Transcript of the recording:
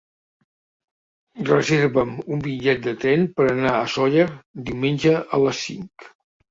Reserva'm un bitllet de tren per anar a Sóller diumenge a les cinc.